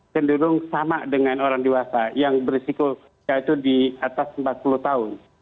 cenderung sama dengan orang dewasa yang berisiko yaitu di atas empat puluh tahun